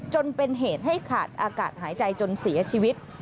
จนเป็นเหตุให้ขาดอากาศหายใจจนเสียชีวิต